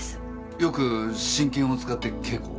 よく真剣を使って稽古を？